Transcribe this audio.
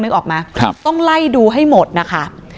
นึกออกมั้ยครับต้องไล่ดูให้หมดนะคะ